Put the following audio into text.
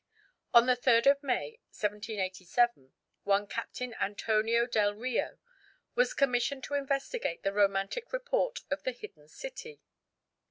On the 3rd of May, 1787, one Captain Antonio Del Rio was commissioned to investigate the romantic report of the hidden city.